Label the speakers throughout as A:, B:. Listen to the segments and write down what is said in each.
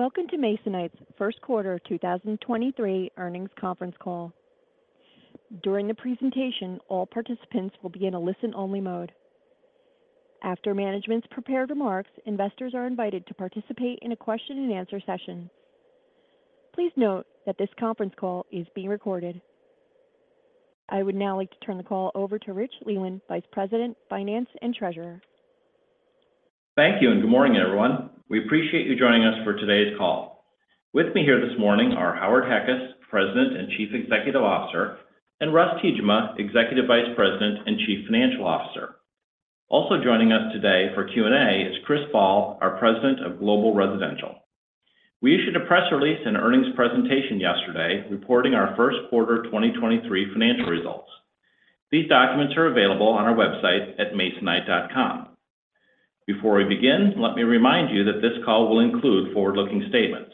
A: Welcome to Masonite's first quarter 2023 earnings conference call. During the presentation, all participants will be in a listen-only mode. After management's prepared remarks, investors are invited to participate in a question-and-answer session. Please note that this conference call is being recorded. I would now like to turn the call over to Rich Leland, Vice President, Finance and Treasurer.
B: Thank you. Good morning, everyone. We appreciate you joining us for today's call. With me here this morning are Howard Heckes, President and Chief Executive Officer, and Russ Tiejema, Executive Vice President and Chief Financial Officer. Also joining us today for Q&A is Chris Ball, our President of Global Residential. We issued a press release and earnings presentation yesterday, reporting our first quarter 2023 financial results. These documents are available on our website at masonite.com. Before we begin, let me remind you that this call will include forward-looking statements.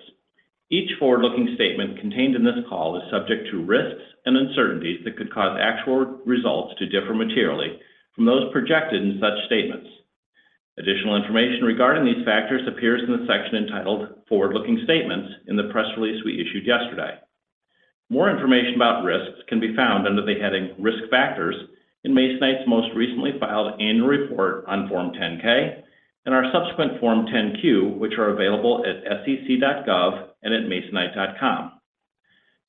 B: Each forward-looking statement contained in this call is subject to risks and uncertainties that could cause actual results to differ materially from those projected in such statements. Additional information regarding these factors appears in the section entitled "Forward-Looking Statements" in the press release we issued yesterday. More information about risks can be found under the heading "Risk Factors" in Masonite's most recently filed annual report on Form 10-K and our subsequent Form 10-Q, which are available at sec.gov and at masonite.com.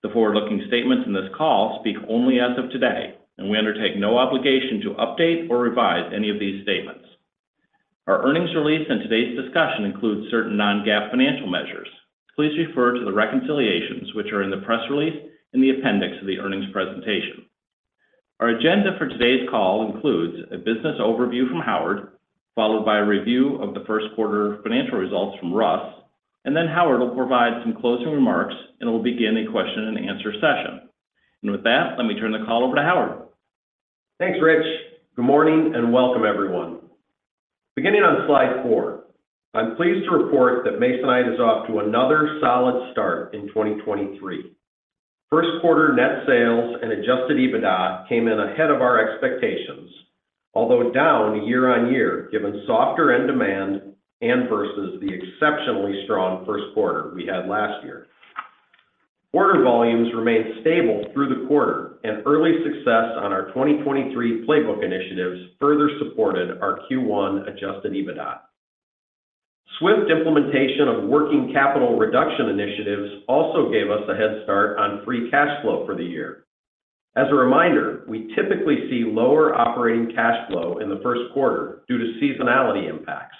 B: The forward-looking statements in this call speak only as of today, and we undertake no obligation to update or revise any of these statements. Our earnings release and today's discussion includes certain non-GAAP financial measures. Please refer to the reconciliations which are in the press release in the appendix of the earnings presentation. Our agenda for today's call includes a business overview from Howard, followed by a review of the first quarter financial results from Russ, and then Howard will provide some closing remarks and will begin a question-and-answer session. With that, let me turn the call over to Howard.
C: Thanks, Rich. Good morning, and welcome everyone. Beginning on slide four, I'm pleased to report that Masonite is off to another solid start in 2023. First quarter net sales and adjusted EBITDA came in ahead of our expectations, although down year-on-year given softer end demand and versus the exceptionally strong first quarter we had last year. Order volumes remained stable through the quarter, and early success on our 2023 playbook initiatives further supported our Q1 adjusted EBITDA. Swift implementation of working capital reduction initiatives also gave us a head start on free cash flow for the year. As a reminder, we typically see lower operating cash flow in the first quarter due to seasonality impacts.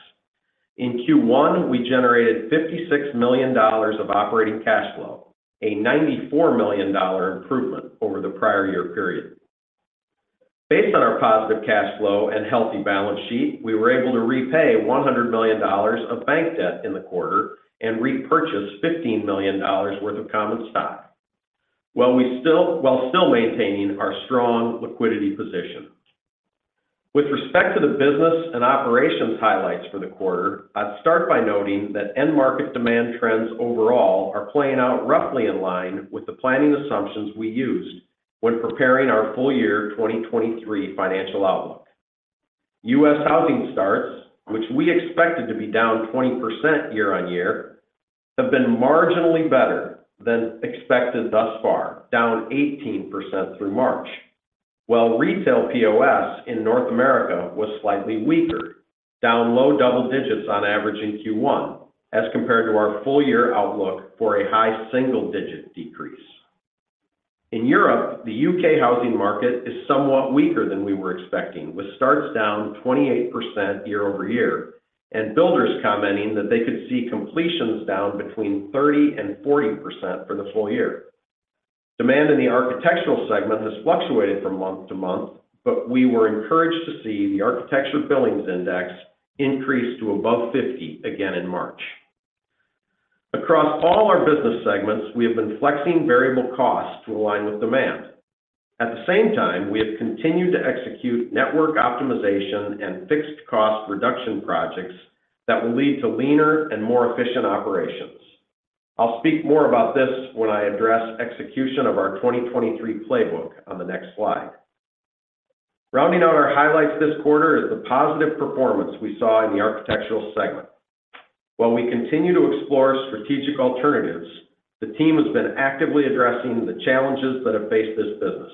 C: In Q1, we generated $56 million of operating cash flow, a $94 million improvement over the prior year period. Based on our positive cash flow and healthy balance sheet, we were able to repay $100 million of bank debt in the quarter and repurchase $15 million worth of common stock, while still maintaining our strong liquidity position. With respect to the business and operations highlights for the quarter, I'd start by noting that end market demand trends overall are playing out roughly in line with the planning assumptions we used when preparing our full year 2023 financial outlook. U.S. housing starts, which we expected to be down 20% year-on-year, have been marginally better than expected thus far, down 18% through March. While retail POS in North America was slightly weaker, down low double digits on average in Q1, as compared to our full year outlook for a high single-digit decrease. In Europe, the U.K. housing market is somewhat weaker than we were expecting, with starts down 28% year-over-year. Builders commenting that they could see completions down between 30%-40% for the full year. Demand in the architectural segment has fluctuated from month to month. We were encouraged to see the Architecture Billings Index increase to above 50 again in March. Across all our business segments, we have been flexing variable costs to align with demand. At the same time, we have continued to execute network optimization and fixed cost reduction projects that will lead to leaner and more efficient operations. I'll speak more about this when I address execution of our 2023 playbook on the next slide. Rounding out our highlights this quarter is the positive performance we saw in the architectural segment. While we continue to explore strategic alternatives, the team has been actively addressing the challenges that have faced this business.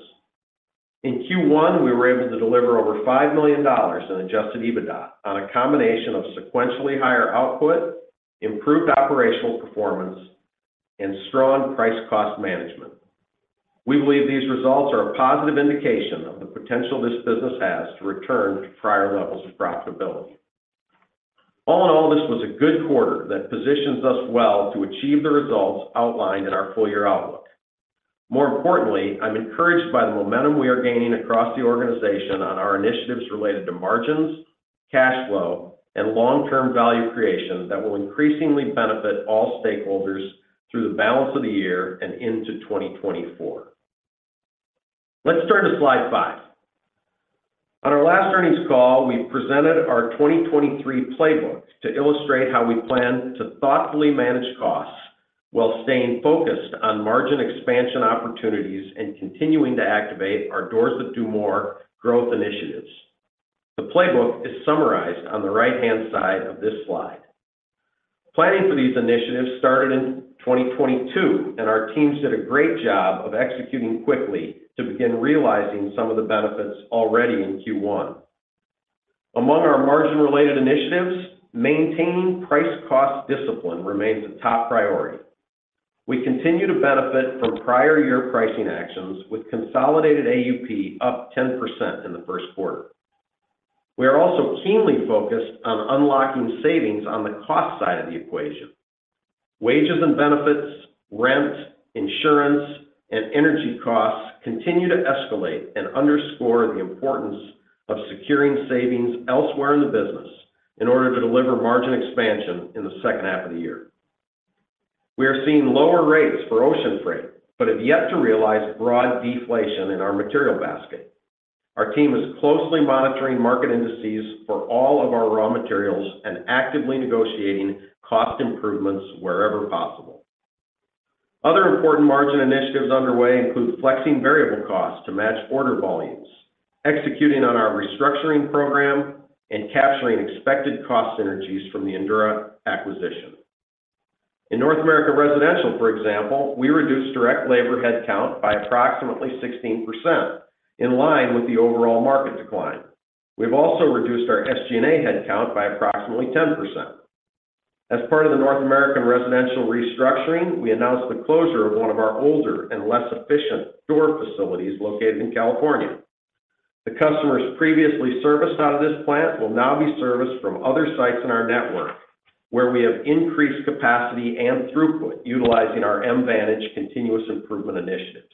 C: In Q1, we were able to deliver over $5 million in adjusted EBITDA on a combination of sequentially higher output, improved operational performance, and strong price cost management. We believe these results are a positive indication of the potential this business has to return to prior levels of profitability. All in all, this was a good quarter that positions us well to achieve the results outlined in our full year outlook. I'm encouraged by the momentum we are gaining across the organization on our initiatives related to margins, cash flow, and long-term value creation that will increasingly benefit all stakeholders through the balance of the year and into 2024. Let's turn to slide five. On our last earnings call, we presented our 2023 playbook to illustrate how we plan to thoughtfully manage costs while staying focused on margin expansion opportunities and continuing to activate our Doors That Do More growth initiatives. The playbook is summarized on the right-hand side of this slide. Planning for these initiatives started in 2022, and our teams did a great job of executing quickly to begin realizing some of the benefits already in Q1. Among our margin-related initiatives, maintaining price-cost discipline remains a top priority. We continue to benefit from prior year pricing actions with consolidated AUP up 10% in the first quarter. We are also keenly focused on unlocking savings on the cost side of the equation. Wages and benefits, rent, insurance, and energy costs continue to escalate and underscore the importance of securing savings elsewhere in the business in order to deliver margin expansion in the second half of the year. We are seeing lower rates for ocean freight, but have yet to realize broad deflation in our material basket. Our team is closely monitoring market indices for all of our raw materials and actively negotiating cost improvements wherever possible. Other important margin initiatives underway include flexing variable costs to match order volumes, executing on our restructuring program, and capturing expected cost synergies from the Endura acquisition. In North American Residential, for example, we reduced direct labor headcount by approximately 16% in line with the overall market decline. We've also reduced our SG&A headcount by approximately 10%. As part of the North American Residential restructuring, we announced the closure of one of our older and less efficient door facilities located in California. The customers previously serviced out of this plant will now be serviced from other sites in our network, where we have increased capacity and throughput utilizing our Mvantage continuous improvement initiatives.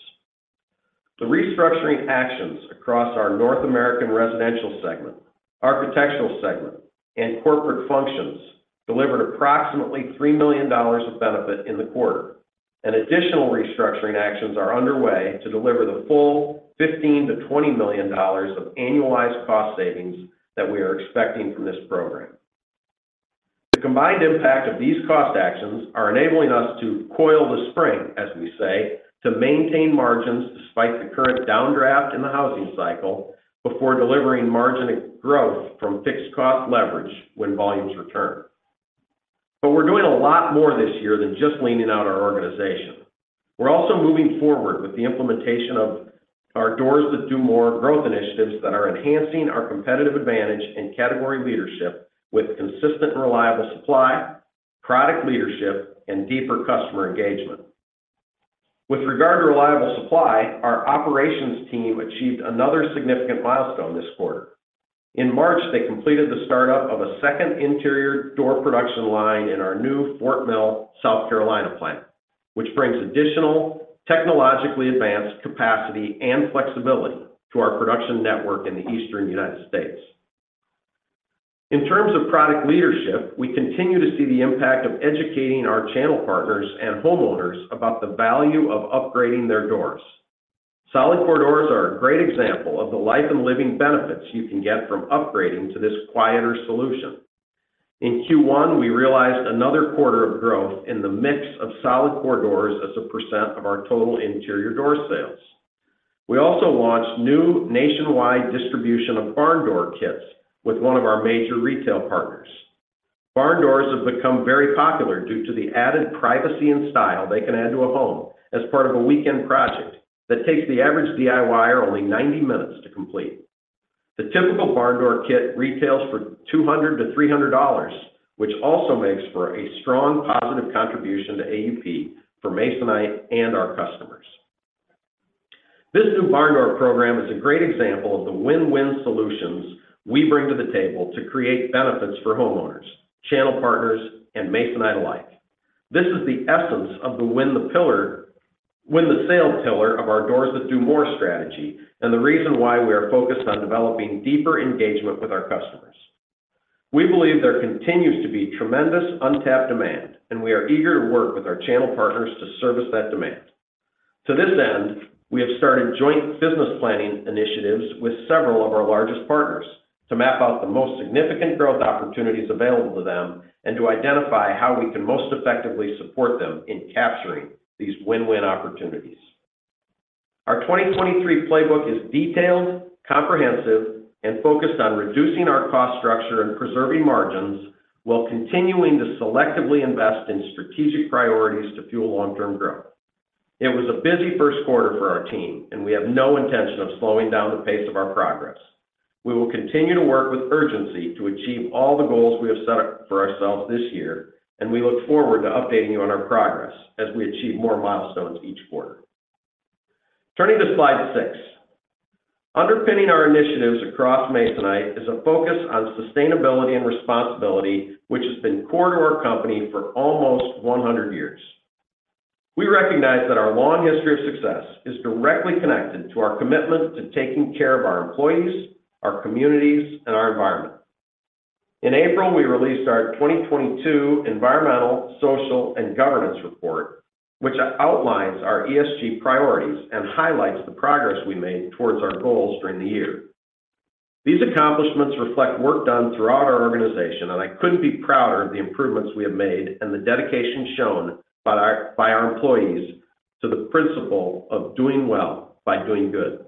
C: The restructuring actions across our North American Residential segment, Architectural segment, and corporate functions delivered approximately $3 million of benefit in the quarter. Additional restructuring actions are underway to deliver the full $15 million-$20 million of annualized cost savings that we are expecting from this program. The combined impact of these cost actions are enabling us to coil the spring, as we say, to maintain margins despite the current downdraft in the housing cycle before delivering margin growth from fixed cost leverage when volumes return. We're doing a lot more this year than just leaning out our organization. We're also moving forward with the implementation of our Doors That Do More growth initiatives that are enhancing our competitive advantage and category leadership with consistent and reliable supply, product leadership, and deeper customer engagement. With regard to reliable supply, our operations team achieved another significant milestone this quarter. In March, they completed the startup of a second interior door production line in our new Fort Mill, South Carolina plant, which brings additional technologically advanced capacity and flexibility to our production network in the eastern United States. In terms of product leadership, we continue to see the impact of educating our channel partners and homeowners about the value of upgrading their doors. Solid core doors are a great example of the life and living benefits you can get from upgrading to this quieter solution. In Q1, we realized another quarter of growth in the mix of solid core doors as a % of our total interior door sales. We also launched new nationwide distribution of barn door kits with one of our major retail partners. Barn doors have become very popular due to the added privacy and style they can add to a home as part of a weekend project that takes the average DIYer only 90 minutes to complete. The typical barn door kit retails for $200-$300, which also makes for a strong positive contribution to AUP for Masonite and our customers. This new barn door program is a great example of the win-win solutions we bring to the table to create benefits for homeowners, channel partners, and Masonite alike. This is the essence of the win the pillar, win the sales pillar of our Doors That Do More strategy and the reason why we are focused on developing deeper engagement with our customers. We believe there continues to be tremendous untapped demand, and we are eager to work with our channel partners to service that demand. To this end, we have started joint business planning initiatives with several of our largest partners to map out the most significant growth opportunities available to them and to identify how we can most effectively support them in capturing these win-win opportunities. Our 2023 playbook is detailed, comprehensive, and focused on reducing our cost structure and preserving margins while continuing to selectively invest in strategic priorities to fuel long-term growth. It was a busy first quarter for our team, and we have no intention of slowing down the pace of our progress. We will continue to work with urgency to achieve all the goals we have set up for ourselves this year, and we look forward to updating you on our progress as we achieve more milestones each quarter. Turning to slide six. Underpinning our initiatives across Masonite is a focus on sustainability and responsibility, which has been core to our company for almost 100 years. We recognize that our long history of success is directly connected to our commitment to taking care of our employees, our communities, and our environment. In April, we released our 2022 Environmental, Social, and Governance report, which outlines our ESG priorities and highlights the progress we made towards our goals during the year. These accomplishments reflect work done throughout our organization. I couldn't be prouder of the improvements we have made and the dedication shown by our employees. To the principle of doing well by doing good.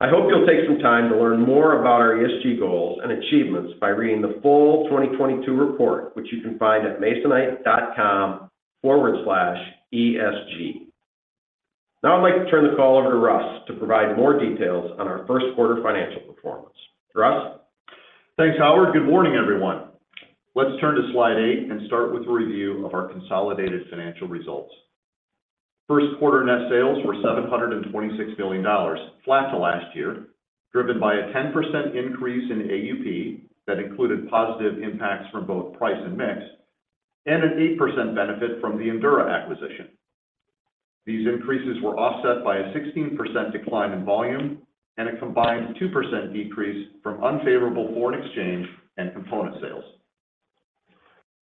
C: I hope you'll take some time to learn more about our ESG goals and achievements by reading the full 2022 report, which you can find at masonite.com/esg. I'd like to turn the call over to Russ to provide more details on our first quarter financial performance. Russ?
D: Thanks, Howard. Good morning, everyone. Let's turn to slide eight and start with a review of our consolidated financial results. First quarter net sales were $726 million, flat to last year, driven by a 10% increase in AUP that included positive impacts from both price and mix, and an 8% benefit from the Endura acquisition. These increases were offset by a 16% decline in volume and a combined 2% decrease from unfavorable foreign exchange and component sales.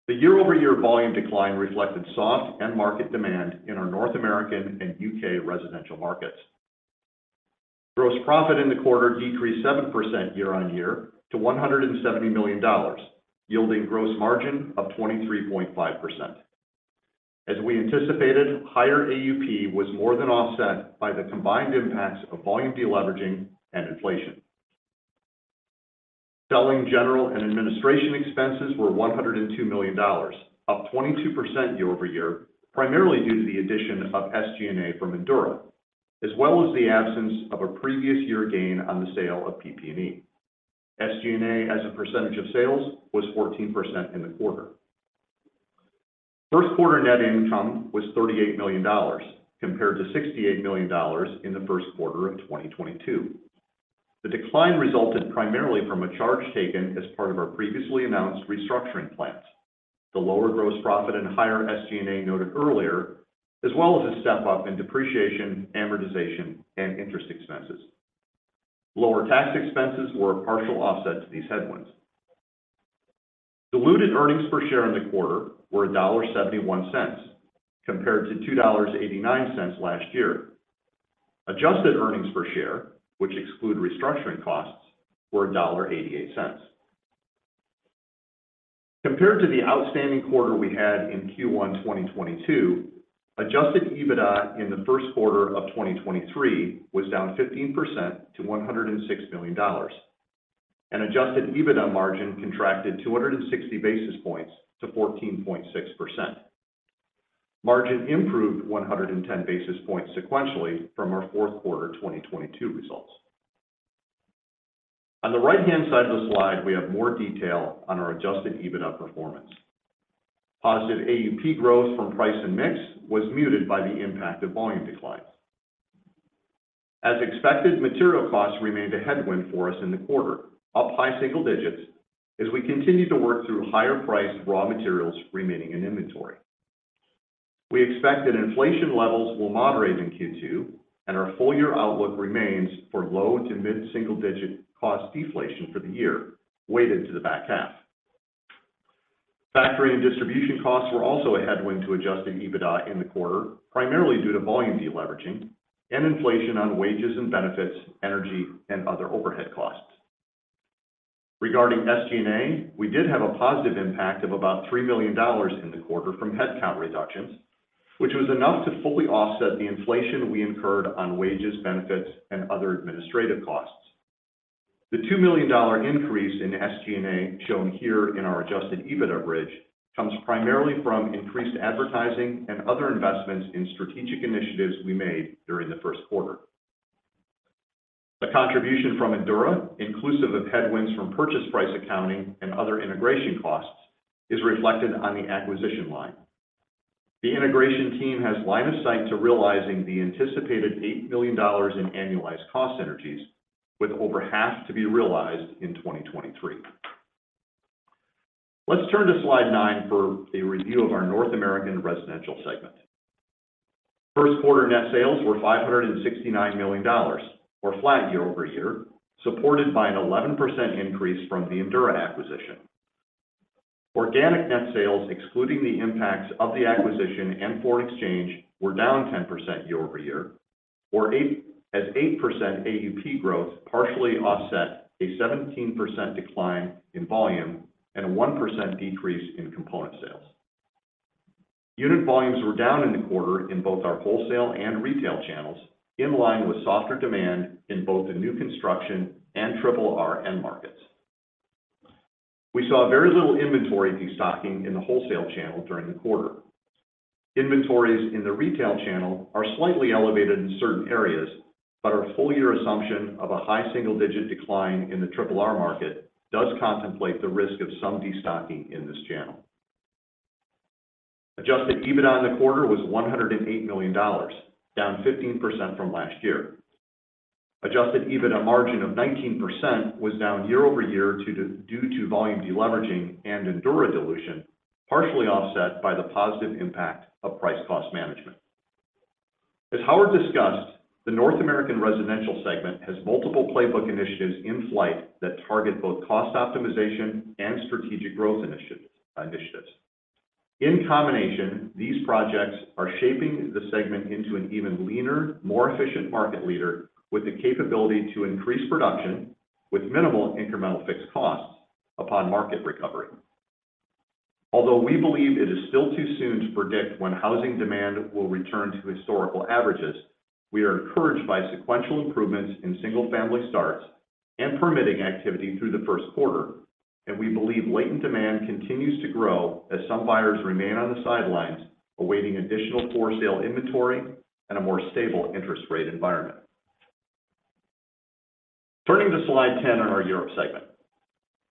D: The year-over-year volume decline reflected soft end market demand in our North American and U.K. residential markets. Gross profit in the quarter decreased 7% year-on-year to $170 million, yielding gross margin of 23.5%. As we anticipated, higher AUP was more than offset by the combined impacts of volume deleveraging and inflation. Selling, general, and administration expenses were $102 million, up 22% year-over-year, primarily due to the addition of SG&A from Endura, as well as the absence of a previous year gain on the sale of PP&E. SG&A as a percentage of sales was 14% in the quarter. First quarter net income was $38 million compared to $68 million in the first quarter of 2022. The decline resulted primarily from a charge taken as part of our previously announced restructuring plans, the lower gross profit and higher SG&A noted earlier, as well as a step up in depreciation, amortization, and interest expenses. Lower tax expenses were a partial offset to these headwinds. Diluted earnings per share in the quarter were $1.71 compared to $2.89 last year. Adjusted earnings per share, which exclude restructuring costs, were $1.88. Compared to the outstanding quarter we had in Q1 2022, adjusted EBITDA in the first quarter of 2023 was down 15% to $106 million, and adjusted EBITDA margin contracted 260 basis points to 14.6%. Margin improved 110 basis points sequentially from our fourth quarter 2022 results. On the right-hand side of the slide, we have more detail on our adjusted EBITDA performance. Positive AUP growth from price and mix was muted by the impact of volume declines. As expected, material costs remained a headwind for us in the quarter, up high single digits as we continue to work through higher priced raw materials remaining in inventory. We expect that inflation levels will moderate in Q2, and our full year outlook remains for low to mid single digit cost deflation for the year, weighted to the back half. Factory and distribution costs were also a headwind to adjusted EBITDA in the quarter, primarily due to volume deleveraging and inflation on wages and benefits, energy and other overhead costs. Regarding SG&A, we did have a positive impact of about $3 million in the quarter from headcount reductions, which was enough to fully offset the inflation we incurred on wages, benefits, and other administrative costs. The $2 million increase in SG&A shown here in our adjusted EBITDA bridge comes primarily from increased advertising and other investments in strategic initiatives we made during the first quarter. The contribution from Endura, inclusive of headwinds from purchase price accounting and other integration costs, is reflected on the acquisition line. The integration team has line of sight to realizing the anticipated $8 million in annualized cost synergies, with over half to be realized in 2023. Let's turn to slide 9 for a review of our North American Residential segment. First quarter net sales were $569 million, or flat year-over-year, supported by an 11% increase from the Endura acquisition. Organic net sales, excluding the impacts of the acquisition and foreign exchange, were down 10% year-over-year, as 8% AUP growth partially offset a 17% decline in volume and a 1% decrease in component sales. Unit volumes were down in the quarter in both our wholesale and retail channels, in line with softer demand in both the new construction and R&R end markets. We saw very little inventory destocking in the wholesale channel during the quarter. Inventories in the retail channel are slightly elevated in certain areas, but our full year assumption of a high single-digit decline in the R&R market does contemplate the risk of some destocking in this channel. adjusted EBITDA in the quarter was $108 million, down 15% from last year. adjusted EBITDA margin of 19% was down year-over-year due to volume deleveraging and Endura dilution, partially offset by the positive impact of price cost management. As Howard discussed, the North American Residential segment has multiple playbook initiatives in flight that target both cost optimization and strategic growth initiatives. In combination, these projects are shaping the segment into an even leaner, more efficient market leader with the capability to increase production with minimal incremental fixed costs upon market recovery. Although we believe it is still too soon to predict when housing demand will return to historical averages, we are encouraged by sequential improvements in single-family starts and permitting activity through the first quarter, and we believe latent demand continues to grow as some buyers remain on the sidelines, awaiting additional for-sale inventory and a more stable interest rate environment. Turning to slide 10 on our Europe segment.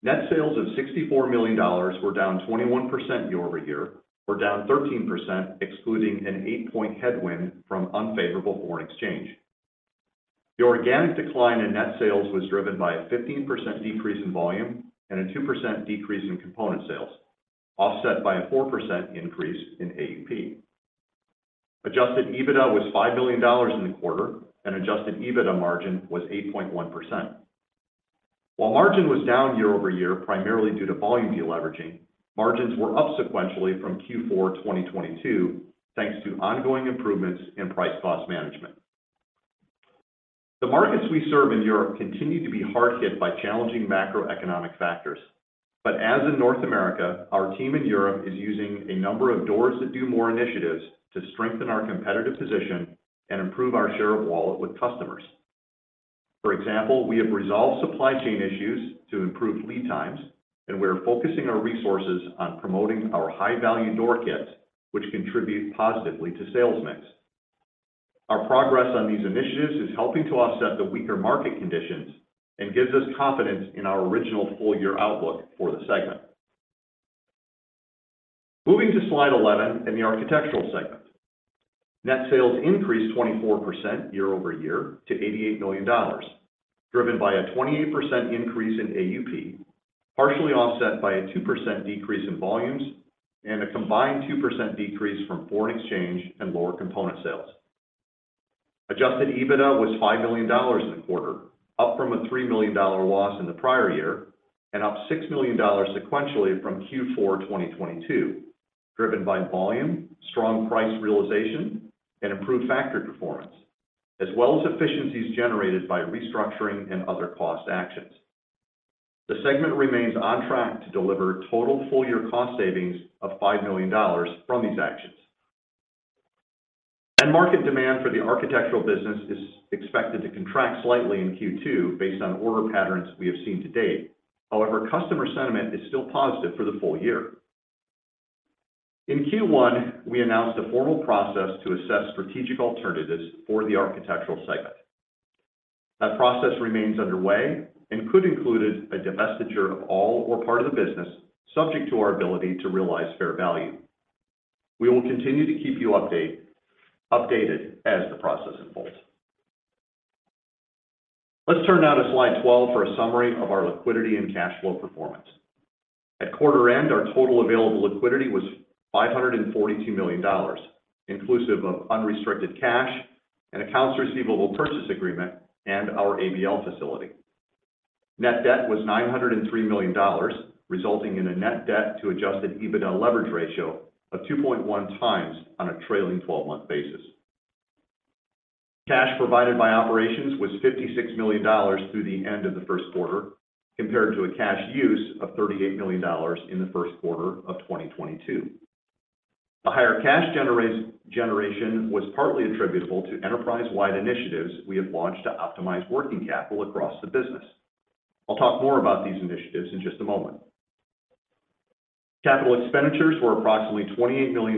D: Net sales of $64 million were down 21% year-over-year, or down 13% excluding an eight-point headwind from unfavorable foreign exchange. The organic decline in net sales was driven by a 15% decrease in volume and a 2% decrease in component sales, offset by a 4% increase in AUP. Adjusted EBITDA was $5 million in the quarter and adjusted EBITDA margin was 8.1%. While margin was down year-over-year, primarily due to volume deleveraging, margins were up sequentially from Q4 2022, thanks to ongoing improvements in price cost management. As in North America, our team in Europe is using a number of Doors That Do More initiatives to strengthen our competitive position and improve our share of wallet with customers. For example, we have resolved supply chain issues to improve lead times, and we are focusing our resources on promoting our high-value door kits, which contribute positively to sales mix. Our progress on these initiatives is helping to offset the weaker market conditions and gives us confidence in our original full-year outlook for the segment. Moving to slide 11 in the architectural segment. Net sales increased 24% year-over-year to $88 million, driven by a 28% increase in AUP, partially offset by a 2% decrease in volumes and a combined 2% decrease from foreign exchange and lower component sales. Adjusted EBITDA was $5 million in the quarter, up from a $3 million loss in the prior year and up $6 million sequentially from Q4 2022, driven by volume, strong price realization, and improved factor performance, as well as efficiencies generated by restructuring and other cost actions. The segment remains on track to deliver total full-year cost savings of $5 million from these actions. End market demand for the architectural business is expected to contract slightly in Q2 based on order patterns we have seen to date. Customer sentiment is still positive for the full year. In Q1, we announced a formal process to assess strategic alternatives for the architectural segment. That process remains underway and could include a divestiture of all or part of the business subject to our ability to realize fair value. We will continue to keep you updated as the process unfolds. Let's turn now to slide 12 for a summary of our liquidity and cash flow performance. At quarter end, our total available liquidity was $542 million, inclusive of unrestricted cash and accounts receivable purchase agreement and our ABL facility. Net debt was $903 million, resulting in a net debt to adjusted EBITDA leverage ratio of 2.1x on a trailing twelve-month basis. Cash provided by operations was $56 million through the end of the first quarter, compared to a cash use of $38 million in the first quarter of 2022. A higher cash generation was partly attributable to enterprise-wide initiatives we have launched to optimize working capital across the business. I'll talk more about these initiatives in just a moment. Capital expenditures were approximately $28 million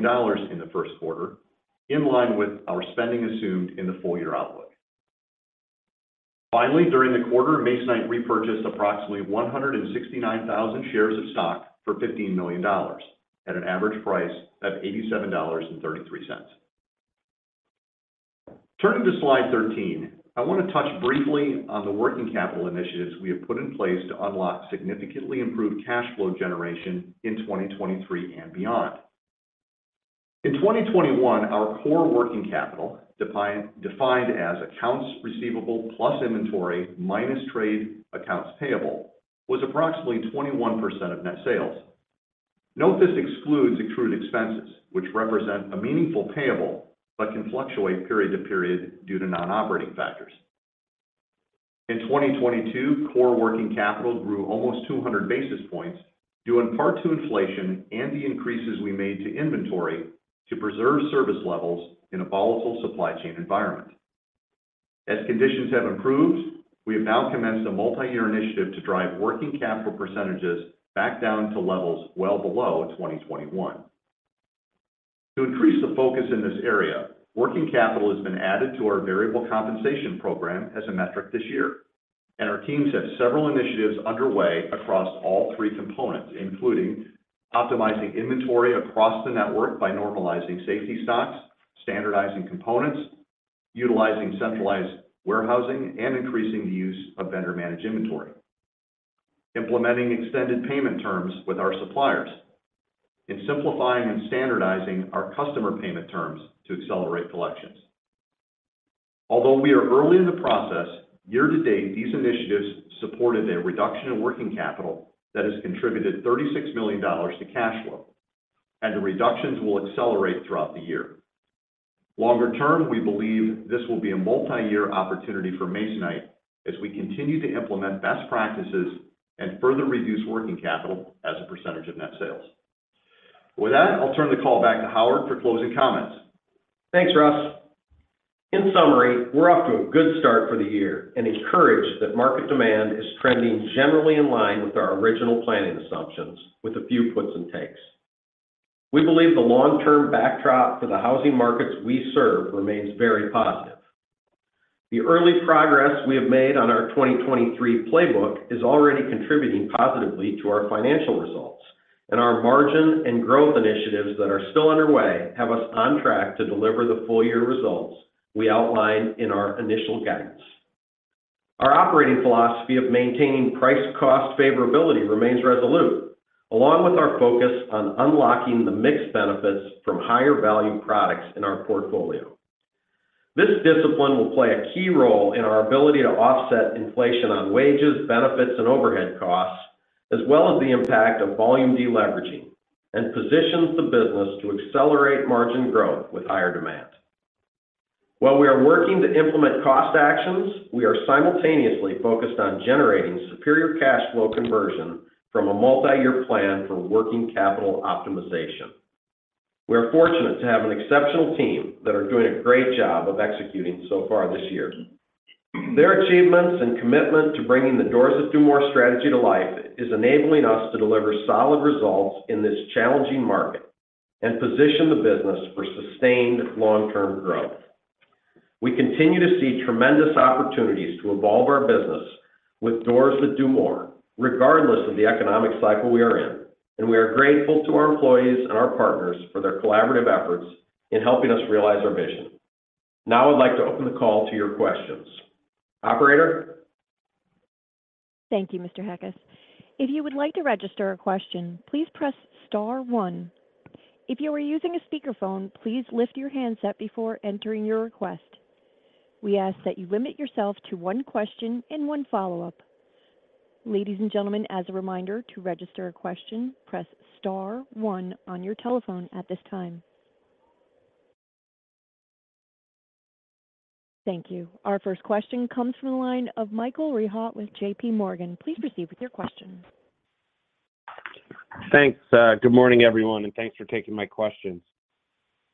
D: in the first quarter, in line with our spending assumed in the full-year outlook. Finally, during the quarter, Masonite repurchased approximately 169,000 shares of stock for $15 million at an average price of $87.33. Turning to slide 13, I wanna touch briefly on the working capital initiatives we have put in place to unlock significantly improved cash flow generation in 2023 and beyond. In 2021, our core working capital, defined as accounts receivable plus inventory minus trade accounts payable, was approximately 21% of net sales. Note this excludes accrued expenses, which represent a meaningful payable but can fluctuate period to period due to non-operating factors. In 2022, core working capital grew almost 200 basis points, due in part to inflation and the increases we made to inventory to preserve service levels in a volatile supply chain environment. As conditions have improved, we have now commenced a multi-year initiative to drive working capital percentages back down to levels well below 2021. To increase the focus in this area, working capital has been added to our variable compensation program as a metric this year, and our teams have several initiatives underway across all three components, including optimizing inventory across the network by normalizing safety stocks, standardizing components, utilizing centralized warehousing, and increasing the use of vendor-managed inventory. Implementing extended payment terms with our suppliers. In simplifying and standardizing our customer payment terms to accelerate collections. Although we are early in the process, year-to-date, these initiatives supported a reduction in working capital that has contributed $36 million to cash flow. The reductions will accelerate throughout the year. Longer term, we believe this will be a multi-year opportunity for Masonite as we continue to implement best practices and further reduce working capital as a percentage of net sales. With that, I'll turn the call back to Howard for closing comments.
C: Thanks, Russ. In summary, we're off to a good start for the year and encouraged that market demand is trending generally in line with our original planning assumptions, with a few puts and takes. We believe the long-term backdrop for the housing markets we serve remains very positive. The early progress we have made on our 2023 playbook is already contributing positively to our financial results. Our margin and growth initiatives that are still underway have us on track to deliver the full year results we outlined in our initial guidance. Our operating philosophy of maintaining price cost favorability remains resolute, along with our focus on unlocking the mixed benefits from higher value products in our portfolio. This discipline will play a key role in our ability to offset inflation on wages, benefits, and overhead costs, as well as the impact of volume deleveraging, and positions the business to accelerate margin growth with higher demand. While we are working to implement cost actions, we are simultaneously focused on generating superior cash flow conversion from a multi-year plan for working capital optimization. We are fortunate to have an exceptional team that are doing a great job of executing so far this year. Their achievements and commitment to bringing the Doors That Do More strategy to life is enabling us to deliver solid results in this challenging market and position the business for sustained long-term growth. We continue to see tremendous opportunities to evolve our business with Doors That Do More, regardless of the economic cycle we are in. We are grateful to our employees and our partners for their collaborative efforts in helping us realize our vision. Now I'd like to open the call to your questions. Operator?
A: Thank you, Mr. Heckes. If you would like to register a question, please press star one. If you are using a speakerphone, please lift your handset before entering your request. We ask that you limit yourself to one question and one follow-up. Ladies and gentlemen, as a reminder, to register a question, press star one on your telephone at this time. Thank you. Our first question comes from the line of Michael Rehaut with JPMorgan. Please proceed with your question.
E: Thanks. Good morning, everyone, and thanks for taking my questions.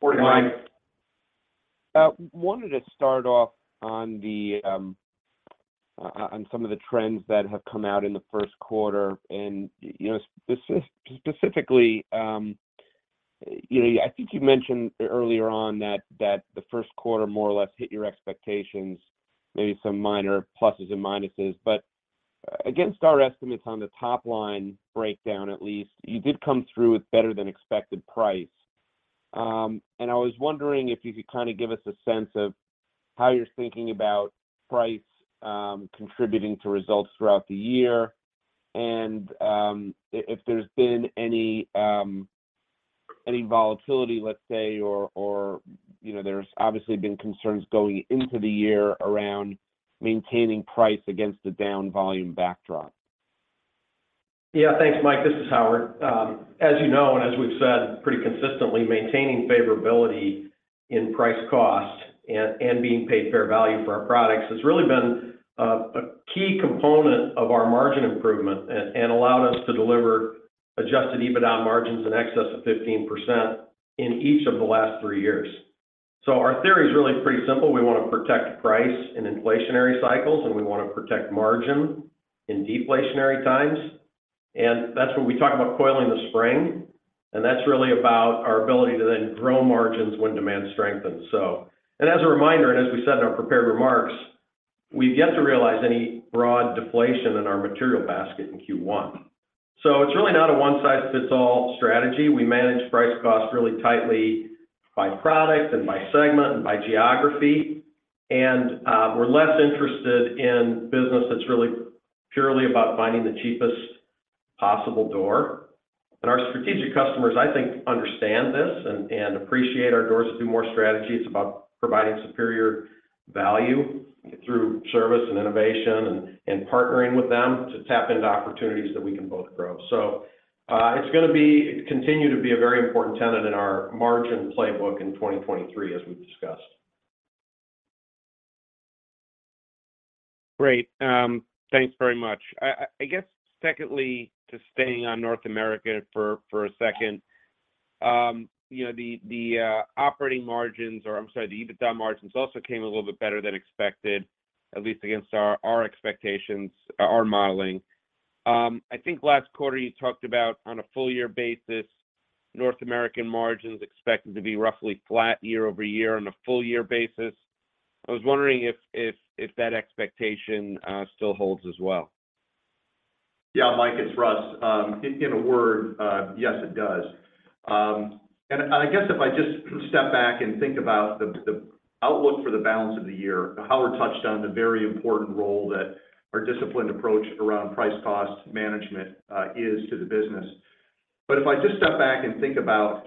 C: Morning, Mike.
E: Wanted to start off on the trends that have come out in the first quarter and, you know, I think you mentioned earlier on that the first quarter more or less hit your expectations, maybe some minor pluses and minuses. Against our estimates on the top line breakdown, at least, you did come through with better than expected price. And I was wondering if you could kind of give us a sense of how you're thinking about price contributing to results throughout the year and if there's been any volatility, let's say, or, you know, there's obviously been concerns going into the year around maintaining price against a down volume backdrop.
C: Yeah. Thanks, Mike. This is Howard. As you know, and as we've said pretty consistently, maintaining favorability in price cost and being paid fair value for our products has really been a key component of our margin improvement and allowed us to deliver adjusted EBITDA margins in excess of 15% in each of the last three years. Our theory is really pretty simple. We wanna protect price in inflationary cycles, and we wanna protect margin in deflationary times. That's when we talk about coiling the spring, and that's really about our ability to then grow margins when demand strengthens. As a reminder, and as we said in our prepared remarks, we've yet to realize any broad deflation in our material basket in Q1. So it's really not a one-size-fits-all strategy. We manage price cost really tightly by product and by segment and by geography. We're less interested in business that's really purely about finding the cheapest possible door. Our strategic customers, I think, understand this and appreciate our Doors That Do More strategy. It's about providing superior value through service and innovation and partnering with them to tap into opportunities that we can both grow. It's continue to be a very important tenet in our margin playbook in 2023, as we've discussed.
E: Great. Thanks very much. I guess secondly, just staying on North America for a second. You know, the operating margins, or I'm sorry, the EBITDA margins also came a little bit better than expected, at least against our expectations, our modeling. I think last quarter you talked about on a full year basis, North American margins expected to be roughly flat year-over-year on a full year basis. I was wondering if that expectation still holds as well?
D: Yeah. Mike, it's Russ. In a word, yes, it does. I guess if I just step back and think about the outlook for the balance of the year, Howard touched on the very important role that our disciplined approach around price cost management, is to the business. If I just step back and think about.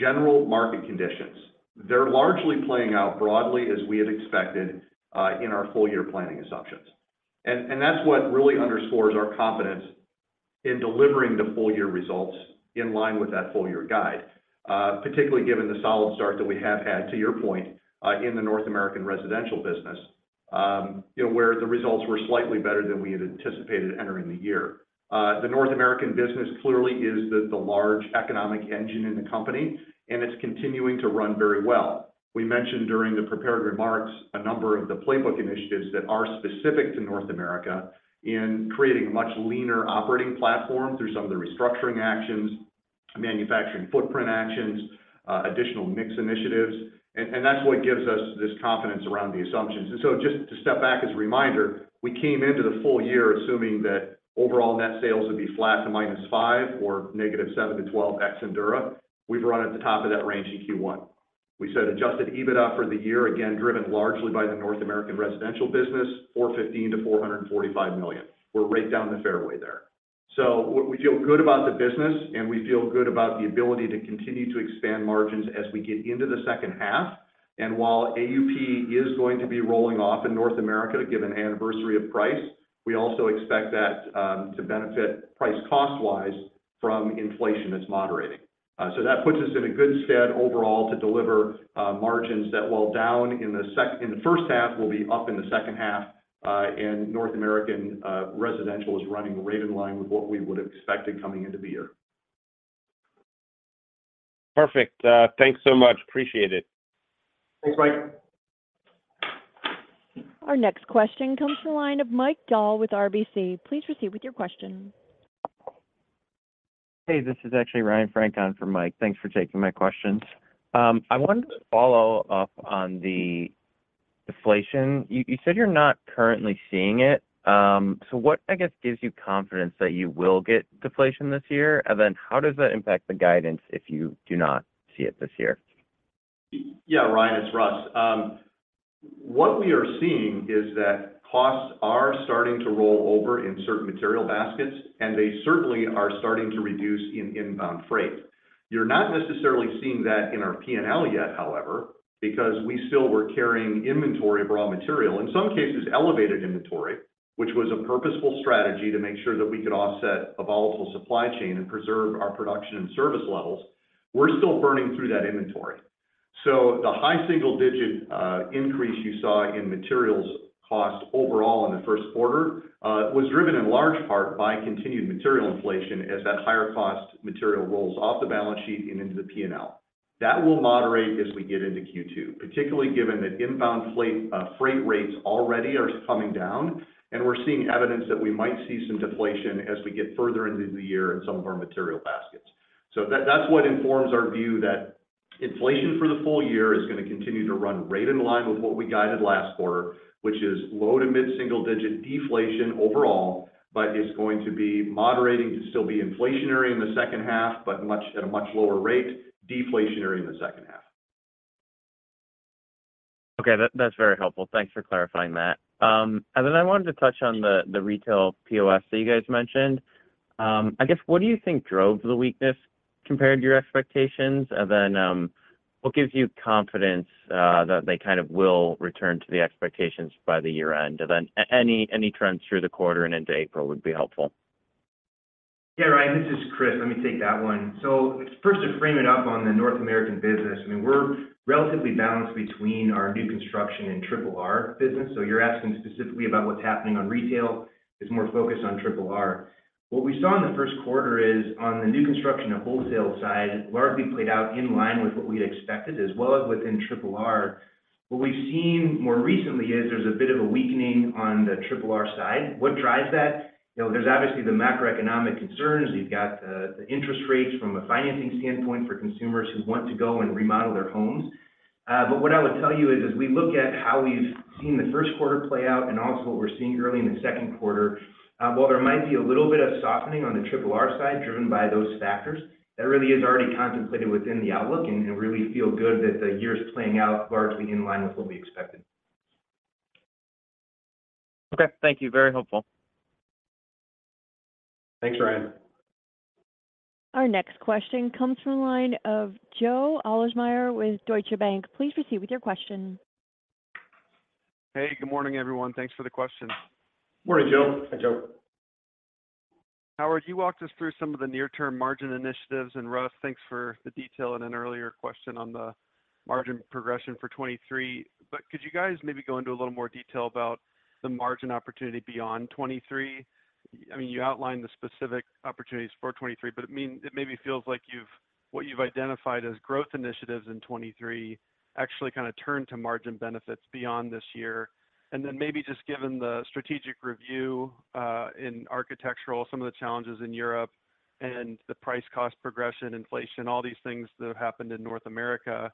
D: General market conditions. They're largely playing out broadly as we had expected in our full year planning assumptions. That's what really underscores our confidence in delivering the full year results in line with that full year guide, particularly given the solid start that we have had, to your point, in the North American Residential business, you know, where the results were slightly better than we had anticipated entering the year. The North American business clearly is the large economic engine in the company, and it's continuing to run very well. We mentioned during the prepared remarks a number of the playbook initiatives that are specific to North America in creating a much leaner operating platform through some of the restructuring actions, manufacturing footprint actions, additional mix initiatives. That's what gives us this confidence around the assumptions. Just to step back as a reminder, we came into the full year assuming that overall net sales would be flat to -5% or -7% to -12% ex Endura. We've run at the top of that range in Q1. We said adjusted EBITDA for the year, again, driven largely by the North American Residential business, $415 million-$445 million. We're right down the fairway there. So we feel good about the business, and we feel good about the ability to continue to expand margins as we get into the second half. While AUP is going to be rolling off in North America given anniversary of price, we also expect that to benefit price cost-wise from inflation that's moderating. That puts us in a good stead overall to deliver, margins that while down in the first half will be up in the second half, and North American Residential is running right in line with what we would have expected coming into the year.
E: Perfect. Thanks so much. Appreciate it.
C: Thanks, Mike.
A: Our next question comes from the line of Mike Dahl with RBC. Please proceed with your question.
F: Hey, this is actually Ryan Frank on for Mike. Thanks for taking my questions. I wanted to follow up on the deflation. You said you're not currently seeing it. What, I guess, gives you confidence that you will get deflation this year? How does that impact the guidance if you do not see it this year?
D: Ryan, it's Russ. What we are seeing is that costs are starting to roll over in certain material baskets, and they certainly are starting to reduce in inbound freight. You're not necessarily seeing that in our P&L yet, however, because we still were carrying inventory of raw material, in some cases elevated inventory, which was a purposeful strategy to make sure that we could offset a volatile supply chain and preserve our production and service levels. We're still burning through that inventory. The high single digit increase you saw in materials cost overall in the first quarter was driven in large part by continued material inflation as that higher cost material rolls off the balance sheet and into the P&L. That will moderate as we get into Q2, particularly given that inbound freight rates already are coming down, and we're seeing evidence that we might see some deflation as we get further into the year in some of our material baskets. That-that's what informs our view that inflation for the full year is gonna continue to run right in line with what we guided last quarter, which is low to mid single-digit deflation overall, but is going to be moderating to still be inflationary in the second half, but at a much lower rate, deflationary in the second half.
F: Okay. That's very helpful. Thanks for clarifying that. Then I wanted to touch on the retail POS that you guys mentioned. I guess, what do you think drove the weakness compared to your expectations? Then what gives you confidence that they kind of will return to the expectations by the year end? Then any trends through the quarter and into April would be helpful.
G: Yeah, Ryan, this is Chris. Let me take that one. First to frame it up on the North American business, I mean, we're relatively balanced between our new construction and Triple R business. You're asking specifically about what's happening on retail. It's more focused on Triple R. What we saw in the first quarter is on the new construction and wholesale side, largely played out in line with what we had expected as well as within Triple R. What we've seen more recently is there's a bit of a weakening on the Triple R side. What drives that? You know, there's obviously the macroeconomic concerns. You've got the interest rates from a financing standpoint for consumers who want to go and remodel their homes. What I would tell you is as we look at how we've seen the first quarter play out and also what we're seeing early in the second quarter, while there might be a little bit of softening on the Triple R side driven by those factors, that really is already contemplated within the outlook and really feel good that the year is playing out largely in line with what we expected.
F: Okay. Thank you. Very helpful.
D: Thanks, Ryan.
A: Our next question comes from the line of Joe Ahlersmeyer with Deutsche Bank. Please proceed with your question.
H: Hey, good morning, everyone. Thanks for the question.
C: Morning, Joe.
G: Hi, Joe.
H: Howard, you walked us through some of the near term margin initiatives, and Russ, thanks for the detail in an earlier question on the margin progression for 23. Could you guys maybe go into a little more detail about the margin opportunity beyond 23? I mean, you outlined the specific opportunities for 23, but it maybe feels like what you've identified as growth initiatives in 23 actually kinda turn to margin benefits beyond this year. Then maybe just given the strategic review, in Architectural, some of the challenges in Europe and the price cost progression, inflation, all these things that have happened in North America,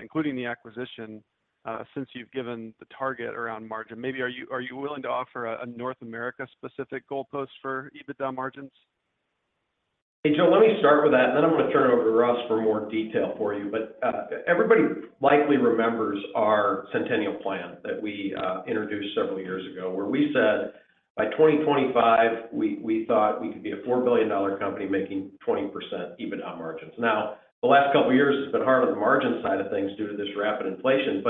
H: including the acquisition, since you've given the target around margin. Maybe are you, are you willing to offer a North America specific goalpost for EBITDA margins?
C: Hey, Joe, let me start with that, then I'm gonna turn it over to Russ for more detail for you. Everybody likely remembers our Centennial Plan that we introduced several years ago, where we said By 2025, we thought we could be a $4 billion company making 20% EBITDA margins. The last couple years has been hard on the margin side of things due to this rapid inflation,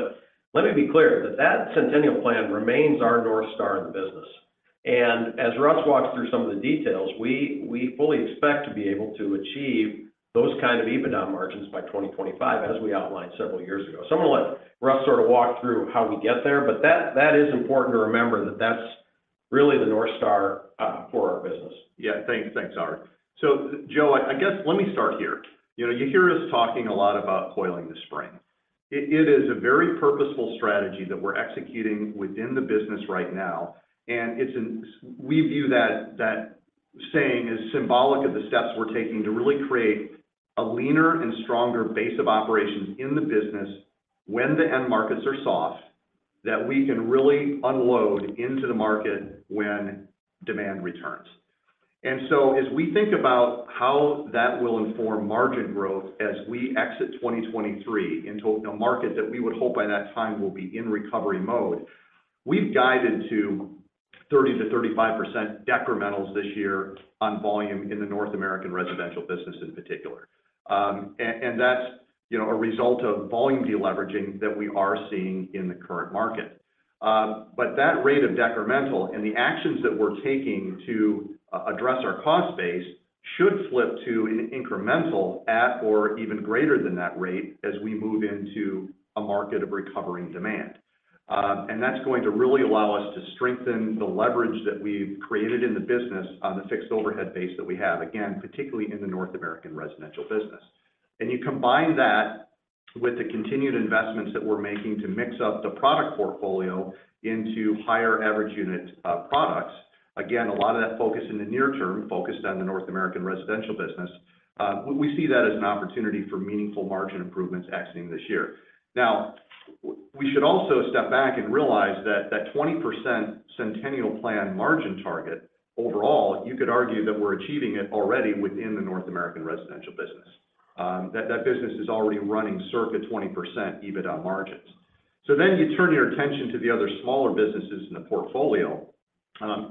C: let me be clear that that Centennial Plan remains our North Star in the business. As Russ walks through some of the details, we fully expect to be able to achieve those kind of EBITDA margins by 2025, as we outlined several years ago. I'm gonna let Russ sort of walk through how we get there, that is important to remember that that's really the North Star for our business.
D: Yeah. Thanks. Thanks, Howard. Joe, I guess, let me start here. You know, you hear us talking a lot about coiling the spring. It is a very purposeful strategy that we're executing within the business right now, and it's we view that saying as symbolic of the steps we're taking to really create a leaner and stronger base of operations in the business when the end markets are soft, that we can really unload into the market when demand returns. As we think about how that will inform margin growth as we exit 2023 into a market that we would hope by that time will be in recovery mode, we've guided to 30%-35% decrementals this year on volume in the North American Residential business in particular. That's, you know, a result of volume deleveraging that we are seeing in the current market. That rate of decremental and the actions that we're taking to address our cost base should flip to an incremental at or even greater than that rate as we move into a market of recovering demand. That's going to really allow us to strengthen the leverage that we've created in the business on the fixed overhead base that we have, again, particularly in the North American Residential business. You combine that with the continued investments that we're making to mix up the product portfolio into higher average unit products. Again, a lot of that focus in the near term focused on the North American Residential business. We see that as an opportunity for meaningful margin improvements exiting this year. we should also step back and realize that that 20% Centennial Plan margin target overall, you could argue that we're achieving it already within the North American Residential business. That business is already running circa 20% EBITDA margins. You turn your attention to the other smaller businesses in the portfolio.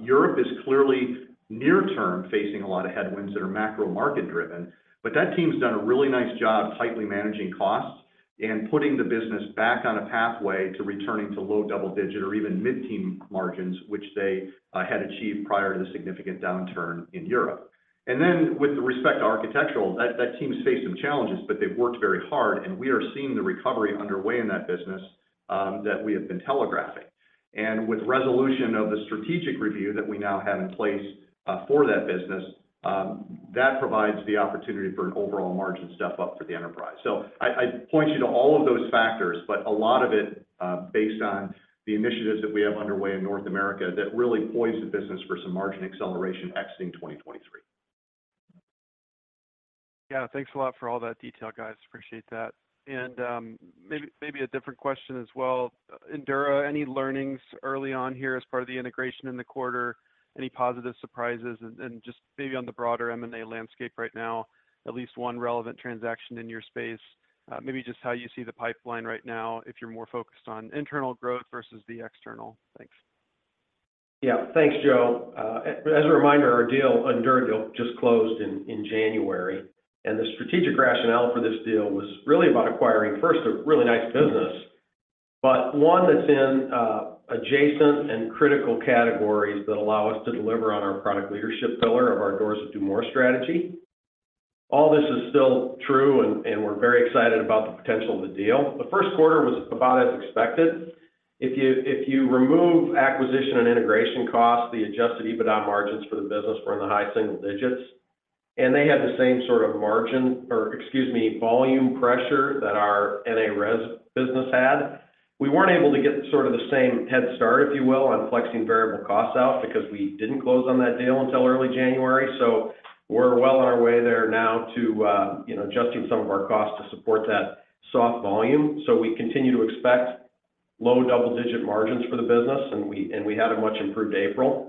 D: Europe is clearly near term facing a lot of headwinds that are macro market driven, but that team's done a really nice job tightly managing costs and putting the business back on a pathway to returning to low double-digit or even mid-teen margins, which they had achieved prior to the significant downturn in Europe. With respect to Architectural, that team's faced some challenges, but they've worked very hard, and we are seeing the recovery underway in that business that we have been telegraphing. With resolution of the strategic review that we now have in place, for that business, that provides the opportunity for an overall margin step up for the enterprise. I point you to all of those factors, but a lot of it, based on the initiatives that we have underway in North America that really poise the business for some margin acceleration exiting 2023.
H: Yeah. Thanks a lot for all that detail, guys. Appreciate that. Maybe a different question as well. Endura, any learnings early on here as part of the integration in the quarter? Any positive surprises? Just maybe on the broader M&A landscape right now, at least one relevant transaction in your space, maybe just how you see the pipeline right now, if you're more focused on internal growth versus the external? Thanks.
C: Thanks, Joe. As a reminder, our Endura deal just closed in January, the strategic rationale for this deal was really about acquiring, first, a really nice business, but one that's in adjacent and critical categories that allow us to deliver on our product leadership pillar of our Doors That Do More strategy. All this is still true, and we're very excited about the potential of the deal. The first quarter was about as expected. If you remove acquisition and integration costs, the adjusted EBITDA margins for the business were in the high single digits, and they had the same sort of margin... Or excuse me, volume pressure that our NA Res business had. We weren't able to get sort of the same head start, if you will, on flexing variable costs out because we didn't close on that deal until early January. We're well on our way there now to, you know, adjusting some of our costs to support that soft volume. We continue to expect low double-digit margins for the business, and we had a much improved April.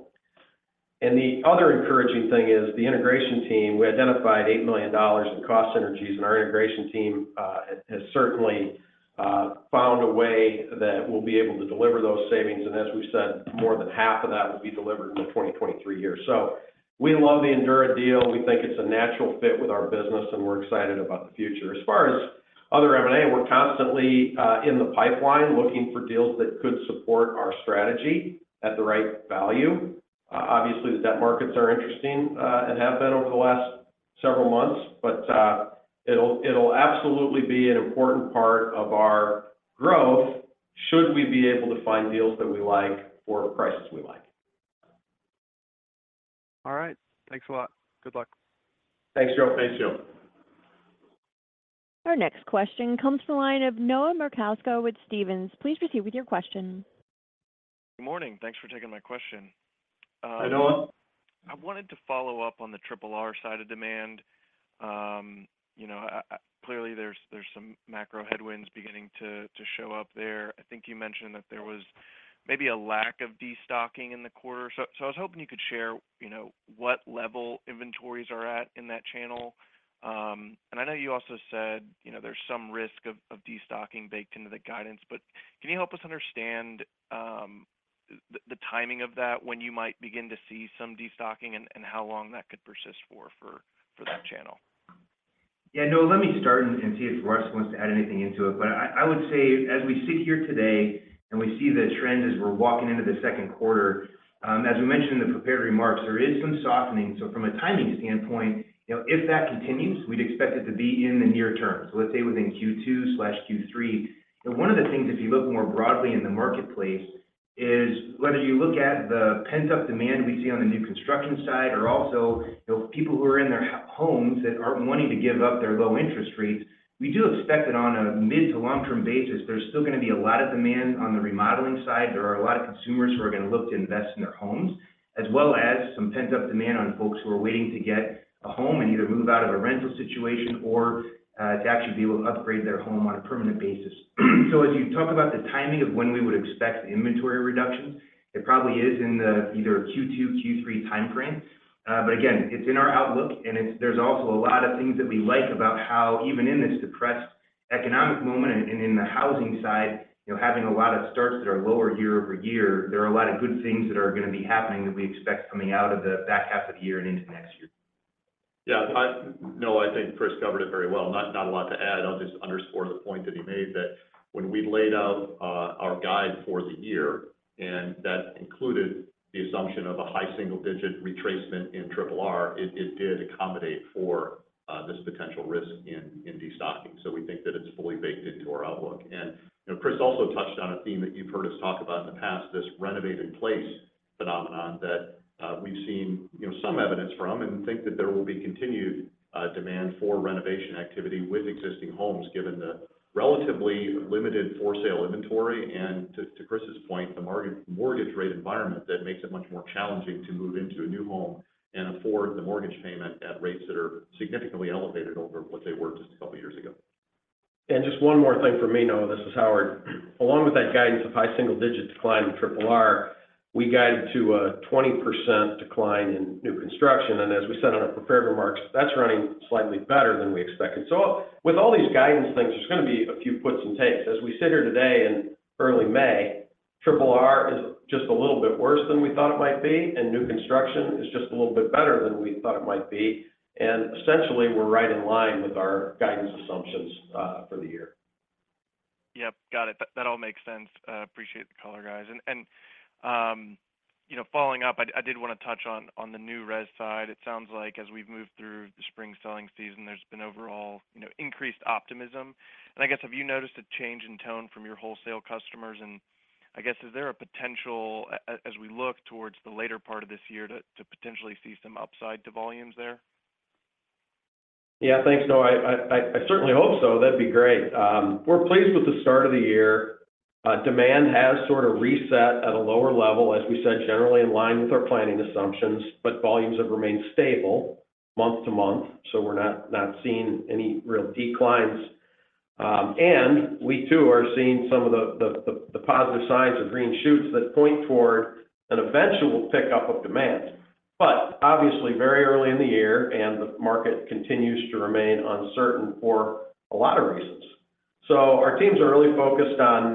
C: The other encouraging thing is the integration team, we identified $8 million in cost synergies, and our integration team has certainly found a way that we'll be able to deliver those savings. As we've said, more than half of that will be delivered in the 2023 year. We love the Endura deal. We think it's a natural fit with our business, and we're excited about the future. As far as other M&A, we're constantly in the pipeline looking for deals that could support our strategy at the right value. Obviously, the debt markets are interesting and have been over the last several months. It'll absolutely be an important part of our growth should we be able to find deals that we like for prices we like.
H: All right. Thanks a lot. Good luck.
G: Thanks, Joe.
C: Thanks, Joe.
A: Our next question comes to the line of Noah Murkowski with Stephens. Please proceed with your question.
I: Good morning. Thanks for taking my question.
D: Hi, Noah.
I: I wanted to follow up on the R&R side of demand. You know, clearly there's some macro headwinds beginning to show up there. I think you mentioned that there was maybe a lack of destocking in the quarter. I was hoping you could share, you know, what level inventories are at in that channel. I know you also said, you know, there's some risk of destocking baked into the guidance, but can you help us understand the timing of that when you might begin to see some destocking and how long that could persist for that channel?
G: Yeah. No, let me start and see if Russ wants to add anything into it. I would say as we sit here today and we see the trends as we're walking into the second quarter, as we mentioned in the prepared remarks, there is some softening. From a timing standpoint, you know, if that continues, we'd expect it to be in the near term. Let's say within Q2/Q3. One of the things if you look more broadly in the marketplace is whether you look at the pent-up demand we see on the new construction side or also, you know, people who are in their homes that aren't wanting to give up their low interest rates. We do expect that on a mid-to-long-term basis, there's still gonna be a lot of demand on the remodeling side. There are a lot of consumers who are gonna look to invest in their homes as well as some pent-up demand on folks who are waiting to get a home and either move out of a rental situation or to actually be able to upgrade their home on a permanent basis. As you talk about the timing of when we would expect inventory reductions, it probably is in the either a Q2, Q3 timeframe. Again, it's in our outlook and there's also a lot of things that we like about how even in this depressed economic moment and in the housing side, you know, having a lot of starts that are lower year-over-year, there are a lot of good things that are gonna be happening that we expect coming out of the back half of the year and into next year.
D: Yeah. No, I think Chris covered it very well. Not a lot to add. I'll just underscore the point that he made that when we laid out our guide for the year, and that included the assumption of a high single-digit retracement in Triple R, it did accommodate for this potential risk in destocking. We think that it's fully baked into our outlook. You know, Chris also touched on a theme that you've heard us talk about in the past, this renovate in place phenomenon that we've seen, you know, some evidence from and think that there will be continued demand for renovation activity with existing homes given the relatively limited for sale inventory. To Chris's point, the mortgage rate environment that makes it much more challenging to move into a new home and afford the mortgage payment at rates that are significantly elevated over what they were just a couple years ago.
C: Just one more thing for me, Noah. This is Howard. Along with that guidance of high single-digit decline in R&R, we guided to a 20% decline in new construction. As we said on our prepared remarks, that's running slightly better than we expected. With all these guidance things, there's gonna be a few puts and takes. As we sit here today in early May, R&R is just a little bit worse than we thought it might be, and new construction is just a little bit better than we thought it might be. Essentially, we're right in line with our guidance assumptions for the year.
I: Yep. Got it. That all makes sense. Appreciate the color, guys. You know, following up, I did wanna touch on the new res side. It sounds like as we've moved through the spring selling season, there's been overall, you know, increased optimism. I guess, have you noticed a change in tone from your wholesale customers? I guess, is there a potential as we look towards the later part of this year to potentially see some upside to volumes there?
C: Thanks, Noah. I certainly hope so. That'd be great. We're pleased with the start of the year. Demand has sort of reset at a lower level as we said, generally in line with our planning assumptions. Volumes have remained stable month-to-month, we're not seeing any real declines. We too are seeing some of the positive signs of green shoots that point toward an eventual pickup of demand. Obviously, very early in the year and the market continues to remain uncertain for a lot of reasons. Our teams are really focused on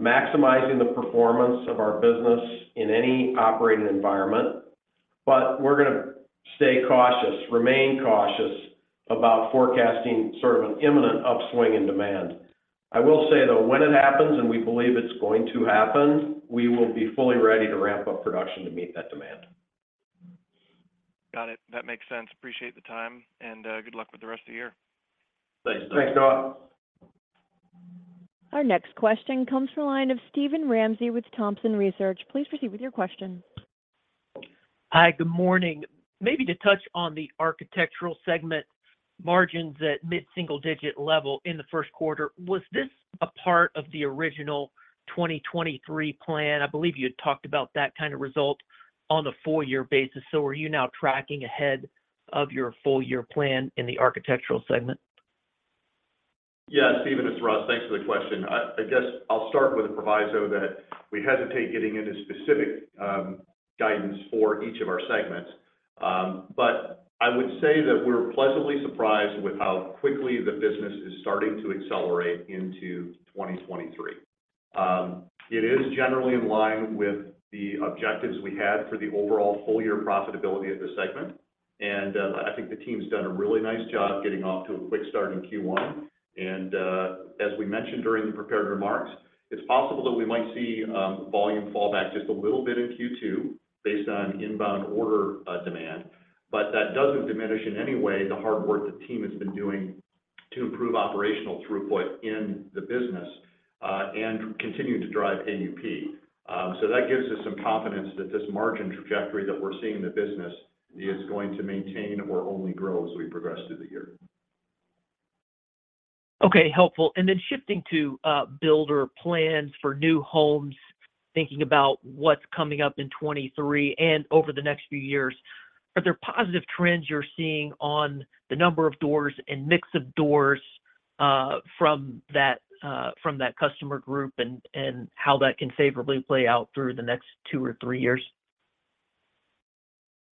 C: maximizing the performance of our business in any operating environment. We're gonna stay cautious, remain cautious about forecasting sort of an imminent upswing in demand. I will say, though, when it happens, and we believe it's going to happen, we will be fully ready to ramp up production to meet that demand.
I: Got it. That makes sense. Appreciate the time and good luck with the rest of the year.
D: Thanks, Noah.
C: Thanks, Noah.
A: Our next question comes from the line of Steven Ramsey with Thompson Research Group. Please proceed with your question.
J: Hi. Good morning. Maybe to touch on the architectural segment margins at mid-single digit level in the first quarter, was this a part of the original 2023 plan? I believe you had talked about that kind of result on a full year basis. Are you now tracking ahead of your full year plan in the architectural segment?
D: Yeah. Steven, it's Russ. Thanks for the question. I guess I'll start with a proviso that we hesitate getting into specific guidance for each of our segments. I would say that we're pleasantly surprised with how quickly the business is starting to accelerate into 2023. It is generally in line with the objectives we had for the overall full year profitability of the segment. I think the team's done a really nice job getting off to a quick start in Q1. As we mentioned during the prepared remarks, it's possible that we might see volume fall back just a little bit in Q2 based on inbound order demand. That doesn't diminish in any way the hard work the team has been doing to improve operational throughput in the business and continue to drive AUP. That gives us some confidence that this margin trajectory that we're seeing in the business is going to maintain or only grow as we progress through the year.
J: Okay. Helpful. Shifting to builder plans for new homes, thinking about what's coming up in 23 and over the next few years, are there positive trends you're seeing on the number of doors and mix of doors, from that customer group and how that can favorably play out through the next two or three years?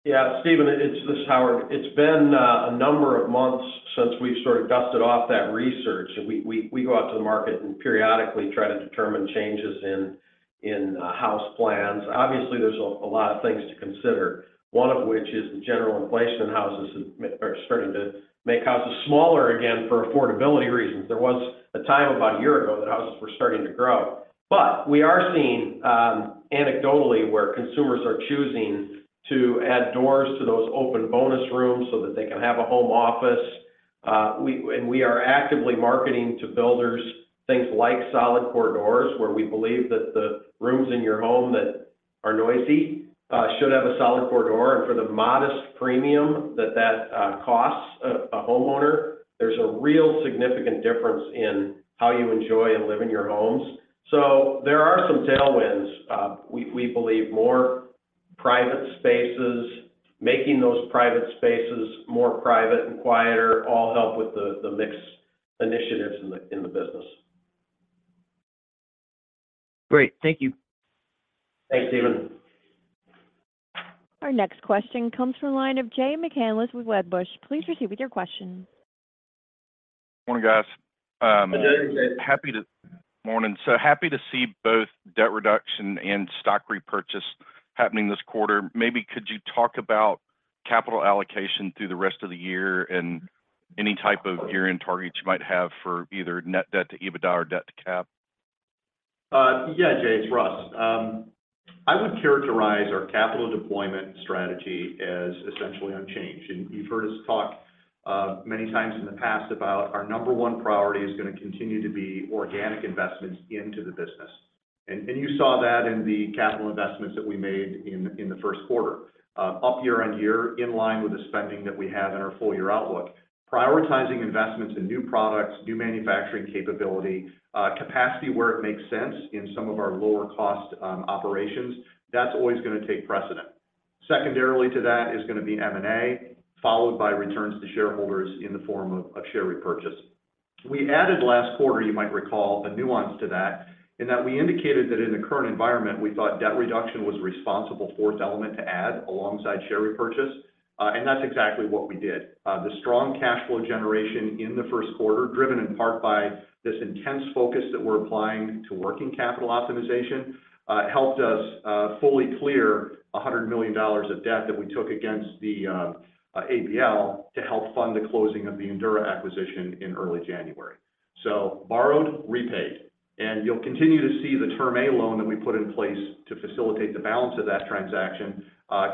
C: Yeah. Steven, this is Howard. It's been a number of months- Since we've sort of dusted off that research and we go out to the market and periodically try to determine changes in house plans. Obviously, there's a lot of things to consider, one of which is the general inflation in houses are starting to make houses smaller again for affordability reasons. There was a time about a year ago that houses were starting to grow. We are seeing, anecdotally, where consumers are choosing to add doors to those open bonus rooms so that they can have a home office. And we are actively marketing to builders things like solid core doors, where we believe that the rooms in your home that are noisy, should have a solid core door. For the modest premium that costs a homeowner, there's a real significant difference in how you enjoy and live in your homes. There are some tailwinds. We believe more private spaces, making those private spaces more private and quieter all help with the mix initiatives in the business.
J: Great. Thank you.
D: Thanks, Stephen.
A: Our next question comes from the line of Jay McCanless with Wedbush. Please proceed with your question.
K: Morning, guys.
D: Good morning, Jay.
K: Morning. Happy to see both debt reduction and stock repurchase happening this quarter. Maybe could you talk about capital allocation through the rest of the year and any type of year-end targets you might have for either net debt to EBITDA or debt to cap?
D: Yeah, Jay, it's Russ. I would characterize our capital deployment strategy as essentially unchanged. You've heard us talk many times in the past about our number one priority is gonna continue to be organic investments into the business. You saw that in the capital investments that we made in the first quarter. Up year-over-year, in line with the spending that we have in our full year outlook. Prioritizing investments in new products, new manufacturing capability, capacity where it makes sense in some of our lower cost operations, that's always gonna take precedent. Secondarily to that is gonna be M&A, followed by returns to shareholders in the form of share repurchase. We added last quarter, you might recall, a nuance to that in that we indicated that in the current environment, we thought debt reduction was a responsible fourth element to add alongside share repurchase. That's exactly what we did. The strong cash flow generation in the first quarter, driven in part by this intense focus that we're applying to working capital optimization, helped us fully clear $100 million of debt that we took against the ABL to help fund the closing of the Endura acquisition in early January. Borrowed, repaid, and you'll continue to see the Term A Loan that we put in place to facilitate the balance of that transaction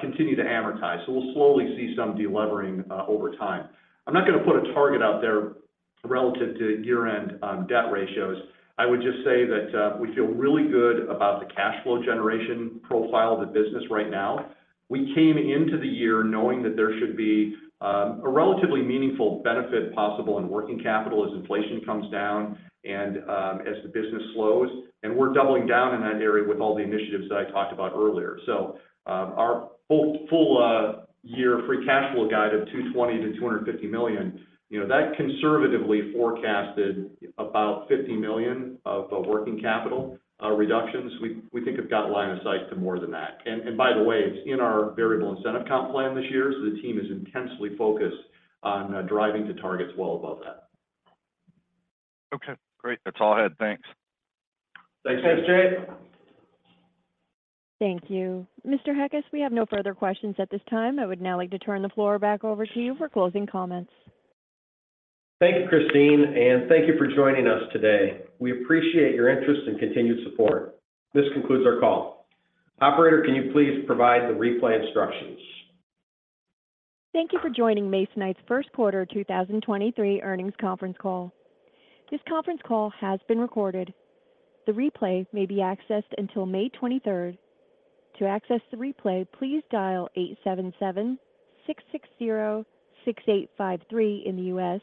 D: continue to amortize. We'll slowly see some de-levering over time. I'm not gonna put a target out there relative to year-end debt ratios. I would just say that we feel really good about the cash flow generation profile of the business right now. We came into the year knowing that there should be a relatively meaningful benefit possible in working capital as inflation comes down and as the business slows, and we're doubling down in that area with all the initiatives that I talked about earlier. Our full year free cash flow guide of $220 million-$250 million, you know, that conservatively forecasted about $50 million of working capital reductions. We think we've got line of sight to more than that. By the way, it's in our variable incentive comp plan this year, so the team is intensely focused on driving to targets well above that.
K: Okay, great. That's all I had. Thanks.
D: Thanks, Jay.
A: Thank you. Mr. Heckes, we have no further questions at this time. I would now like to turn the floor back over to you for closing comments.
C: Thank you, Christine, and thank you for joining us today. We appreciate your interest and continued support. This concludes our call. Operator, can you please provide the replay instructions?
A: Thank you for joining Masonite's first quarter 2023 earnings conference call. This conference call has been recorded. The replay may be accessed until May 23rd. To access the replay, please dial 877-660-6853 in the U.S.